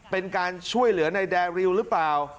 เป็นการช่วยเหลือในแดริวหรือเปล่า